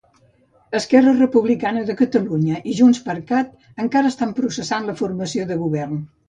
Esquerra Republicana de Catalunya i JxCat encara estan processant la formació de govern.